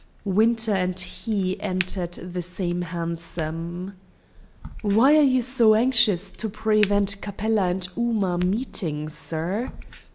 Winter and he entered the same hansom. "Why are you so anxious to prevent Capella and Ooma meeting, sir?"